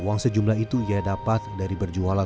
uang sejumlah itu ia dapat dari berjualan